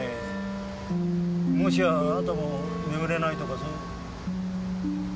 もしやあなたも眠れないとか。